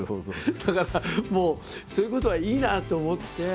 だからもうそういうことはいいなって思って。